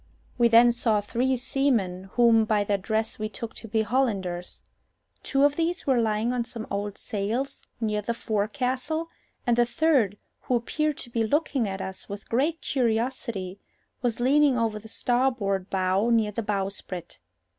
We then saw three seamen, whom by their dress we took to be Hollanders. Two of these were lying on some old sails near the forecastle, and the third, who appeared to be looking at us with great curiosity, was leaning over the starboard bow near the bowsprit.